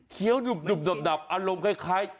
เคี้ยวดุบอารมณ์คล้าย